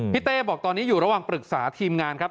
เต้บอกตอนนี้อยู่ระหว่างปรึกษาทีมงานครับ